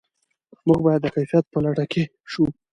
موږ باید د کیفیت په لټه کې شو.